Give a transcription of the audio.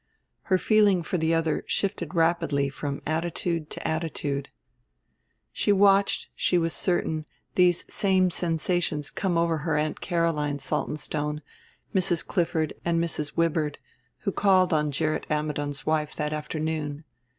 Her feeling for the other shifted rapidly from attitude to attitude. She watched, she was certain, these same sensations come over her Aunt Caroline Saltonstone, Mrs. Clifford and Mrs. Wibird, who called on Gerrit Ammidon's wife that afternoon.